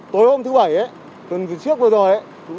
tối hôm thứ bảy ấy tuần trước vừa rồi ấy